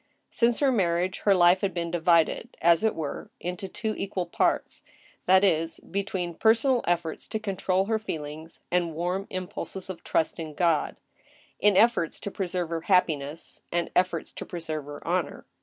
Since her marriage her life had been divided, as it were, into two equal parts — ^that is, between personal efforts to control her feeling^, and warm impulses of trust in God ; into efforts to preserve her happiness and efforts to preserve her honor.